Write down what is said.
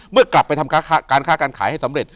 เมื่อกลับไปทำการค้าการขายให้สำเร็จ